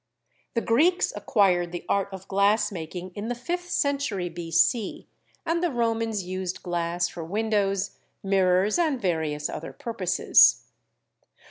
The Greeks acquired the art of glass making in the fifth cen tury B.C., and the Romans used glass for windows, mirrors and various other purposes.